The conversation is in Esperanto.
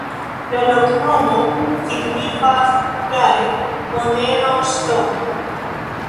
La loknomo signifas hungare: monedo-ŝtono.